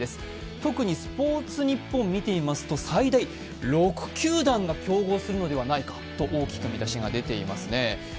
特にスポーツニッポンをみてみますと最大６球団が競合するのではないかと大きく見出しが出ていますね。